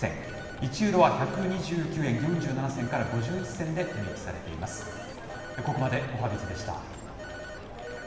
１ユーロは１２９円４７銭から５１銭で取り引きされています。